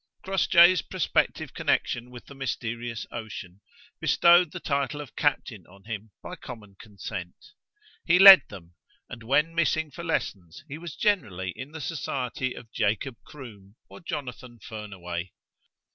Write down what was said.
Crossjay's prospective connection with the mysterious ocean bestowed the title of captain on him by common consent; he led them, and when missing for lessons he was generally in the society of Jacob Croom or Jonathan Fernaway.